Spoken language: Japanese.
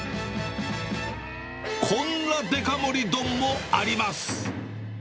こんなデカ盛り丼もあります。